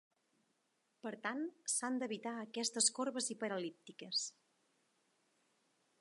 Per tant, s'han d'evitar aquestes corbes hiperel·líptiques.